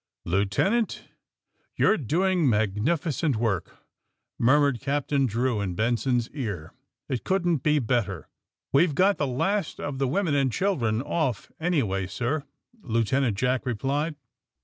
*^ Lieutenant, yon^re doing magnificent work,*' murmured Captain Drew in Benson's ear. *^It couldn't be better." *^ We've got the last of the women and chil dren off any way, sir, '' Lieutenant Jack replied.